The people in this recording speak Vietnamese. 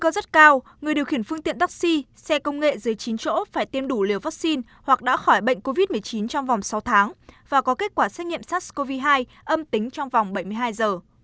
xe công nghệ dưới chín chỗ phải tiêm đủ liều vaccine hoặc đã khỏi bệnh covid một mươi chín trong vòng sáu tháng và có kết quả xét nghiệm sars cov hai âm tính trong vòng bảy mươi hai giờ